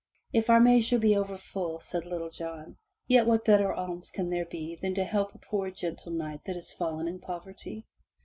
"If our measure be over full,'* said Little John, "yet what better alms can there be than to help a poor gentle knight that is fallen in poverty?"